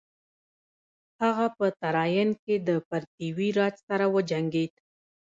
هغه په تراین کې د پرتیوي راج سره وجنګید.